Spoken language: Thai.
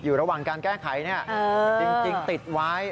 อยู่ระหว่างการแก้ไขจริงติดไว้